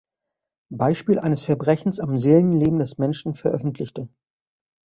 Beispiel eines Verbrechens am Seelenleben des Menschen" veröffentlichte.